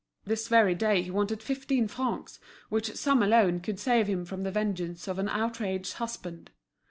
This very day he wanted fifteen francs, which sum alone could save him from the vengeance of an outraged husband.